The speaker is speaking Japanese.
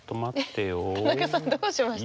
田中さんどうしました？